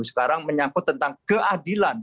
sekarang menyangkut tentang keadilan